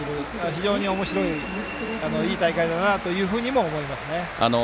非常におもしろいいい大会だなと思いますね。